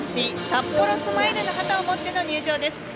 サッポロスマイルの旗を持っての入場です。